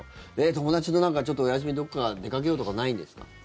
友達とお休みどっか出かけようとかないんですか？